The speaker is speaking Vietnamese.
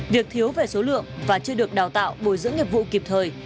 việc thiếu về số lượng và chưa được đào tạo bồi dưỡng nghiệp vụ kịp thời